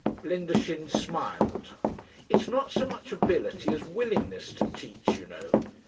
Blendershin smiled. "It's not so much ability as willingness to teach, you know.